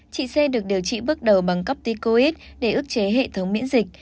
chị c được điều trị bước đầu bằng corpticoid để ước chế hệ thống miễn dịch